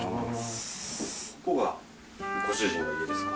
ここがご主人の家ですか？